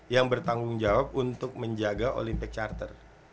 yang bertanggung jawab untuk menjaga olympic charter